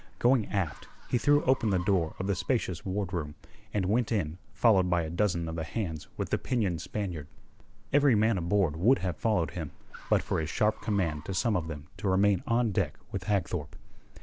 Going aft he threw open the door of the spacious wardroom, and went in followed by a dozen of the hands with the pinioned Spaniard. Every man aboard would have followed him but for his sharp command to some of them to remain on deck with Hagthorpe.